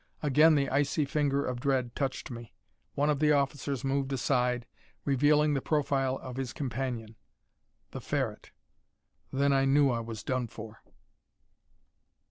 Again the icy finger of dread touched me. One of the officers moved aside, revealing the profile of his companion. The Ferret. Then I knew I was done for!